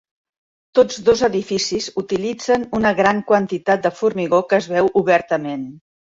Tots dos edificis utilitzen una gran quantitat de formigó, que es veu obertament.